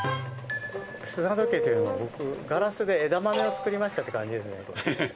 砂時計というよりもガラスで枝豆作りましたというような感じですね。